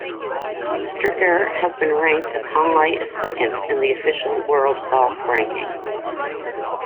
Stricker has been ranked as high as second in the Official World Golf Ranking.